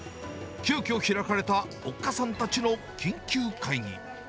急きょ、開かれたおっかさんたちの緊急会議。